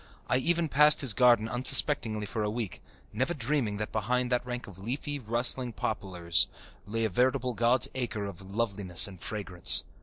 I even passed his garden unsuspectingly for a week, never dreaming that behind that rank of leafy, rustling poplars lay a veritable "God's acre" of loveliness and fragrance.